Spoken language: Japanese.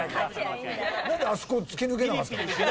なんであそこ突き抜けなかったの？